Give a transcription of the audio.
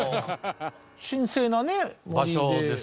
神聖なね森で。